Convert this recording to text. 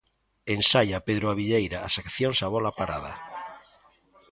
Ensaia Pedro Abilleira as accións a bóla parada.